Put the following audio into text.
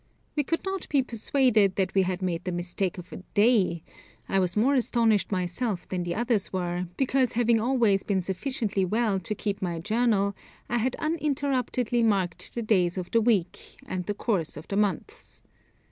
We could not be persuaded that we had made the mistake of a day; I was more astonished myself than the others were, because having always been sufficiently well to keep my journal, I had uninterruptedly marked the days of the week, and the course of the months.